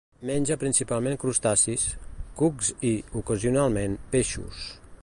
Menja principalment crustacis, cucs i, ocasionalment, peixos.